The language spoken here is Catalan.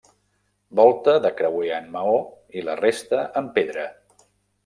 Volta de creuer en maó i la resta en pedra.